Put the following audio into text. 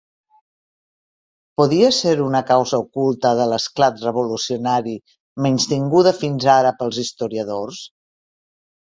Podia ser una causa oculta de l'esclat revolucionari menystinguda fins ara pels historiadors?